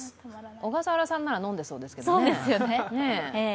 小笠原さんなら飲んでそうですけどね。